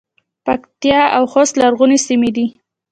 پکتیا او خوست لرغونې سیمې دي